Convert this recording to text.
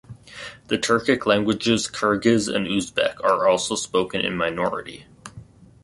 The Turkic languages Kyrgyz and Uzbek are also spoken in minority.